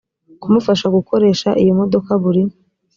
kumufasha gukoresha iyo modoka buri